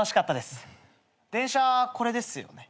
電車これですよね？